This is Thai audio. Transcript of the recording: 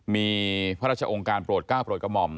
มีพระราชองการโปรดเกล้าโปรดโกรม